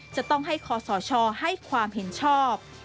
จะต้องให้คอสชให้ความเห็นชอบ